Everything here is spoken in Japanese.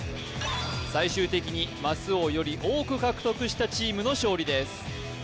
最終的にマスをより多く獲得したチームの勝利です